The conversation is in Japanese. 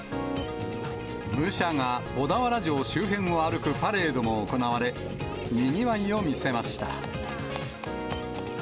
武者が小田原城周辺を歩くパレードも行われ、にぎわいを見せました。